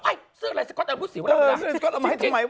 อ้าวเสื้อไลซ์ก็อตอบมือสิวะ